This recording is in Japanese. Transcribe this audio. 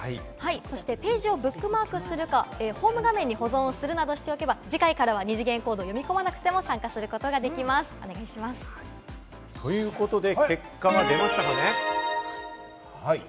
ページをブックマークするか、ホーム画面に保存するなどしておけば、次回からは二次元コードを読み込まなくても参加することが結果が出ましたかね。